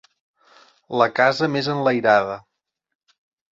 La casa més enlairada.